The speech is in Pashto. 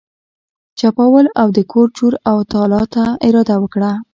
چپاول او د کور چور او تالا ته اراده وکړه.